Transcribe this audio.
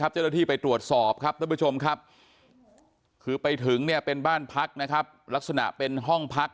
เจ้าละที่ไปตรวจสอบครับคุณผู้ชมคือไปถึงเป็นบ้านพักลักษณะเป็นห้องพัก